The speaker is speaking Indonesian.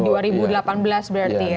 di dua ribu delapan belas berarti ya